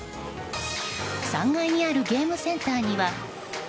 ３階にあるゲームセンターには。